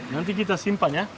nanti kita simpan ya